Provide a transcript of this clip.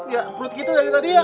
ya perut kita dari tadi ya